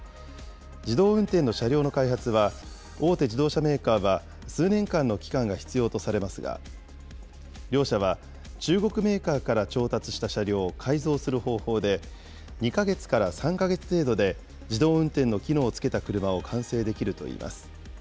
自動運転の車両の開発は、大手自動車メーカーは数年間の期間が必要とされますが、両社は中国メーカーから調達した車両を改造する方法で、２か月から３か月程度で自動運転の機能を付けた車を完成できるといいます。